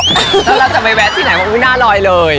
แล้วเราจะไปแวะที่ไหนว่าอุ๊ยหน้าลอยเลย